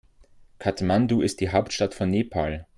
Kathmandu ist die Hauptstadt von Nepal.